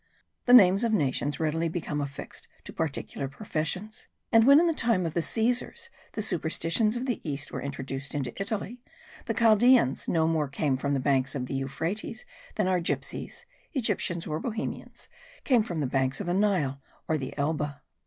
The names of nations readily become affixed to particular professions; and when, in the time of the Caesars, the superstitions of the East were introduced into Italy, the Chaldeans no more came from the banks of the Euphrates than our Gypsies (Egyptians or Bohemians) came from the banks of the Nile or the Elbe.